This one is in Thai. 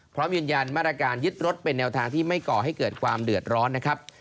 พร้อมยืนยันมาตรการยึดรถเป็นแนวทางที่ไม่ก่อให้เกิดความเดือดร้อนนะครับ